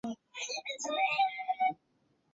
甘蔗绵蚜为扁蚜科粉角扁蚜属下的一个种。